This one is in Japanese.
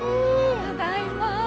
ただいま！